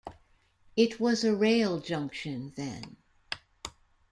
It was a rail junction then.